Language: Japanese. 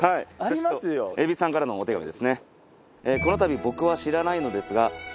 蛭子さんからのお手紙ですね。